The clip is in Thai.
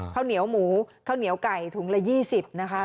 ข้าวเหนียวหมูข้าวเหนียวไก่ถุงละ๒๐นะคะ